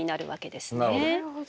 なるほど。